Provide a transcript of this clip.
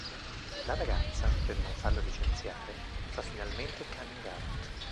La ragazza, per non farlo licenziare, fa finalmente coming out.